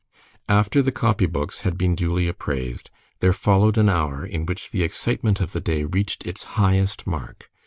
After the copy books had been duly appraised, there followed an hour in which the excitement of the day reached its highest mark.